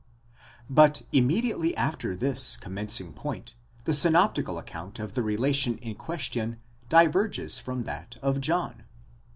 But immediately after this commencing point, the synoptical account of the relation in question diverges from that of John.